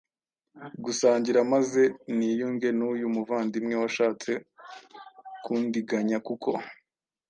dusangira maze niyunge n’uyu muvandiwe washatse kundiganya kuko